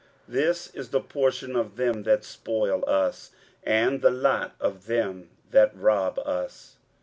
This is the portion of them that spoil us, and the lot of them that rob us.